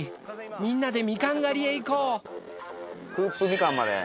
みんなでみかん狩りへ行こう！